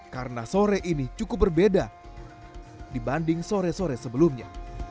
karena sore ini cukup berbeda dibanding sore sore sebelumnya